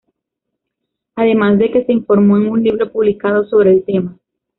Además de, que se informó en un libro publicado sobre el tema.